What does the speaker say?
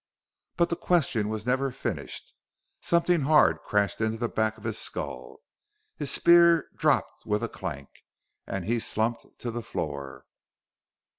But the question was never finished. Something hard crashed into the back of his skull; his spear dropped with a clank, and he slumped to the floor.